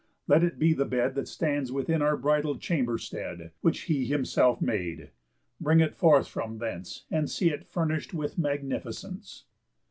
Let it be the bed That stands within our bridal chamber sted, Which he himself made. Bring it forth from thence, And see it furnish'd with magnificence."